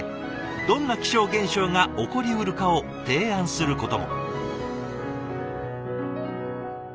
どんな気象現象が起こりうるかを提案することも。